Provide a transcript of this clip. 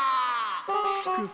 くっ。